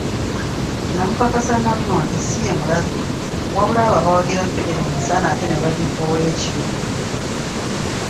Namukakasa na bino nti si ye mulabe, wabula abo abawagira Federo emisana ate ne bagivvoola ekiro.